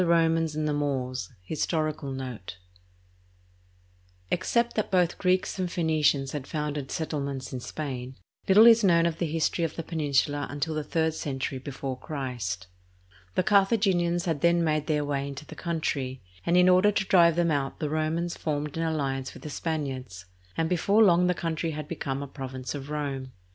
\ """•I i s* ttT^ d 1 t» ^ HISTORICAL NOTE Except that both Greeks and Phoenicians had founded settlements in Spain, little is known of the history of the peninsula until the third century before Christ. The Car thaginians had then made their way into the country, and in order to drive them out the Romans formed an alliance with the Spaniards, and before long the country had become a province of Rome.